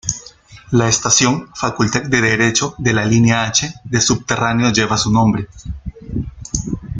La estación Facultad de Derecho de la línea H de subterráneo lleva su nombre.